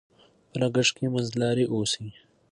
په لګښت کې منځلاري اوسئ.